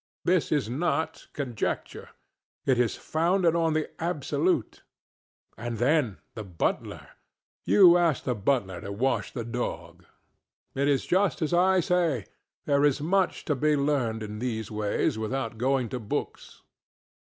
This is not conjecture; it is founded on the absolute. And then the butler. You ask the butler to wash the dog. It is just as I say; there is much to be learned in these ways, without going to books.